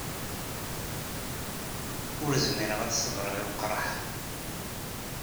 Ur zmireɣ ad ṣebreɣ i weqraḥ-a.